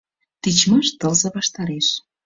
Тичмаш тылзе ваштареш